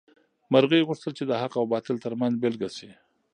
مرغۍ غوښتل چې د حق او باطل تر منځ بېلګه شي.